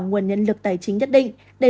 nguồn nhân lực tài chính nhất định để